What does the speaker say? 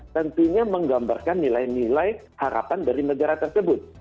tentunya menggambarkan nilai nilai harapan dari negara tersebut